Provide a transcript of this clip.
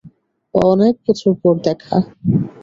অনেক বছর পর দেখা!